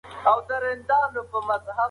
ټولنیز ځواک د هر چا په ګټه نه کارېږي.